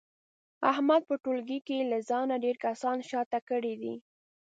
احمد په ټولګي له ځانه ډېر کسان شاته کړي دي.